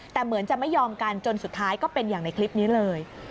แต่เหมือนจะไม่ยอมกันจนสุดท้ายก็เป็นอย่างในคลิปนี้เลย